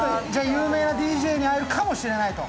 有名なＤＪに会えるかもしれないと。